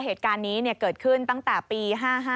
เหตุการณ์นี้เกิดขึ้นตั้งแต่ปี๕๕